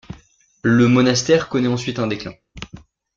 Le monastère connaît ensuite un déclin.